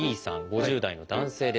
５０代の男性です。